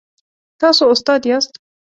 تاسو استاد یاست؟